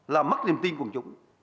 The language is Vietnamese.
là mất niềm tin của chúng